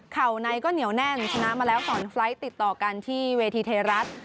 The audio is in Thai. ในก็เหนียวแน่นชนะมาแล้ว๒ไฟล์ทติดต่อกันที่เวทีไทยรัฐ